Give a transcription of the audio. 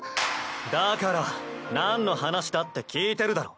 だからなんの話だって聞いてるだろ。